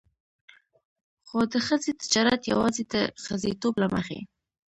خو د ښځې تجارت يواځې د ښځېتوب له مخې.